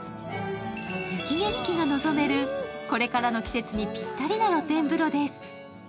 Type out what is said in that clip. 雪景色が望める、これからの季節にぴったりな露天風呂です。